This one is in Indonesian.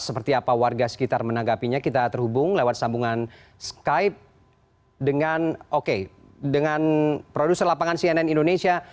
seperti apa warga sekitar menanggapinya kita terhubung lewat sambungan skype dengan oke dengan produser lapangan cnn indonesia